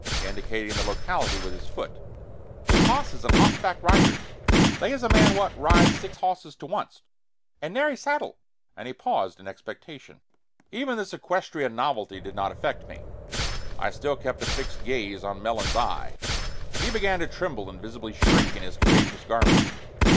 indicating the locality with his foot "with hosses and hossback riders. They is a man wot rides six hosses to onct six hosses to onct and nary saddle" and he paused in expectation. Even this equestrian novelty did not affect me. I still kept a fixed gaze on Melons's eye, and he began to tremble and visibly shrink in his capacious garment.